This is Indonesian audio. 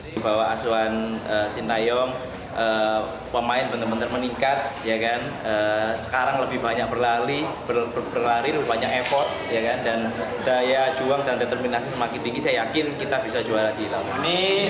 jadi bawa asuhan sintayong pemain benar benar meningkat sekarang lebih banyak berlari lebih banyak effort dan daya juang dan determinasi semakin tinggi saya yakin kita bisa juara di laut